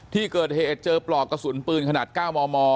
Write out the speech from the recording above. ที่เกิดเหตุเจอปลอกกระสุนปืนขนาด๙มม